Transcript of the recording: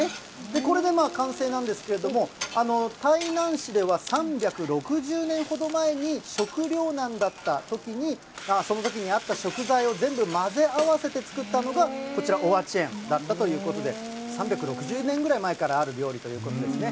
これで完成なんですけれども、台南市では３６０年ほど前に食糧難だったときに、そのときにあった食材を全部混ぜ合わせて作ったのがこちら、オアチェンだったということで、３６０年前からある料理ということですね。